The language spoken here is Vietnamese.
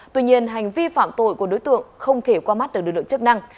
tuy nhiên hành vi phạm tội của đối tượng không thể qua mắt được được được chức năng